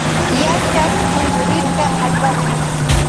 Yachak kunkurirka allpapi.